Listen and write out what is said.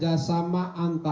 dan perusahaan teknologi rentisan